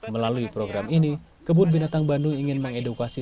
melalui program ini kebun binatang bandung ingin mengedukasi